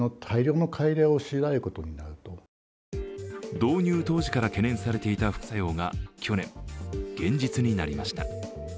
導入当時から懸念されていた副作用が去年、現実になりました。